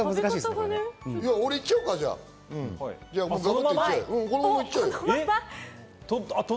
このままいっちゃうよ。